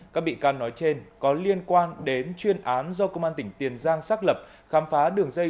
các bị can nói trên có liên quan đến chuyên án do công an tỉnh tiền giang xác lập khám phá đường dây